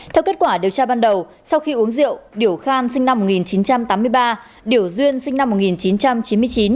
theo kết quả điều tra ban đầu sau khi uống rượu điểu khan sinh năm một nghìn chín trăm tám mươi ba điểu duyên sinh năm một nghìn chín trăm chín mươi chín